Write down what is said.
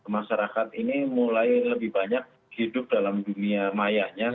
masyarakat ini mulai lebih banyak hidup dalam dunia mayanya